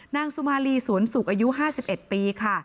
นางสุมาลีสวนสุกอายุ๕๑ปีค่ะ